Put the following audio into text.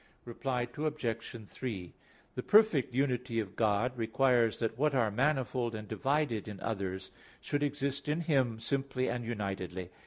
Reply Obj. 3: The perfect unity of God requires that what are manifold and divided in others should exist in Him simply and unitedly.